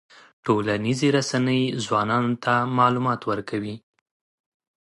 ټولنیزې رسنۍ ځوانانو ته معلومات ورکوي.